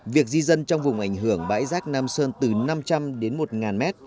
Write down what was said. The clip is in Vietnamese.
việc di dân trong vùng ảnh hưởng bãi rác nam sơn từ năm trăm linh đến một trăm năm mươi